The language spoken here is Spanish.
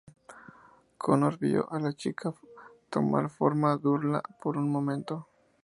Connor vio a la chica tomar forma Darla por un momento.